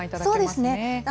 そうですね。